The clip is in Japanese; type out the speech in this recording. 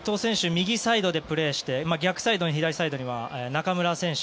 右サイドでプレーして逆サイドには中村選手